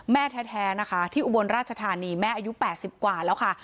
แม่แท้นะคะที่อุบลราชธานีแม่อายุ๘๐กว่าแล้วค่ะ